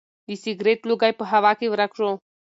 د سګرټ لوګی په هوا کې ورک شو.